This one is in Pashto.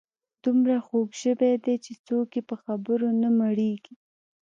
دومره خوږ ژبي دي چې څوک یې په خبرو نه مړیږي.